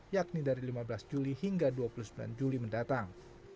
yakni dari lima belas juli hingga dua puluh sembilan juli mendatang